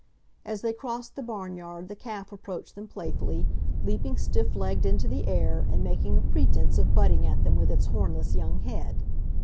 As they crossed the barnyard the calf approached them playfully, leaping stiff legged into the air, and making a pretense of butting at them with its hornless young head.